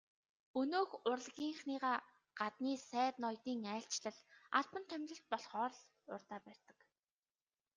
Өнөөх урлагийнхныгаа гаднын сайд ноёдын айлчлал, албан томилолт болохоор л урдаа барьдаг.